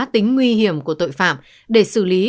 tính nguy hiểm của tội phạm để xử lý